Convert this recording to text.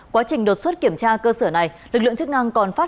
quá trình đột xuất kiểm tra cơ sở này lực lượng chức năng còn phát